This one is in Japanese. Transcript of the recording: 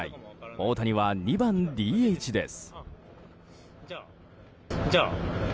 大谷は、２番ＤＨです。